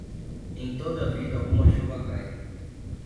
Em toda vida, alguma chuva cai.